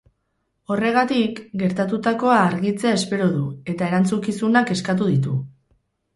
Horregatik, gertutakoa argitzea espero du, eta erantzukizunak eskatu ditu.